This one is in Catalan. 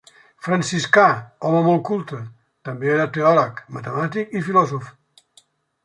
Franciscà, home molt culte, també era teòleg, matemàtic i filòsof.